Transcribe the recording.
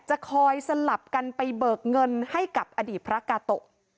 จะคอยสลับกันไปเบิกเงินให้กับอดีตพระกาโตะ